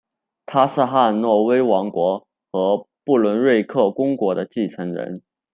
他是汉诺威王国和不伦瑞克公国的继承人。